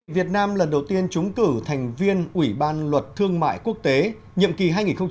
việt nam lần đầu tiên chúng cử thành viên ủy ban luật thương mại quốc tế nhiệm kỳ hai nghìn một mươi năm hai nghìn hai mươi